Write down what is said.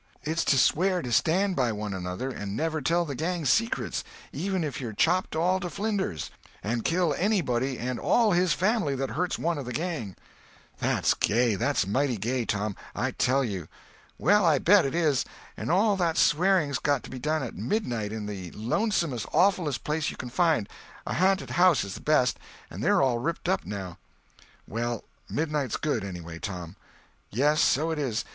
"It's to swear to stand by one another, and never tell the gang's secrets, even if you're chopped all to flinders, and kill anybody and all his family that hurts one of the gang." "That's gay—that's mighty gay, Tom, I tell you." "Well, I bet it is. And all that swearing's got to be done at midnight, in the lonesomest, awfulest place you can find—a ha'nted house is the best, but they're all ripped up now." "Well, midnight's good, anyway, Tom." "Yes, so it is.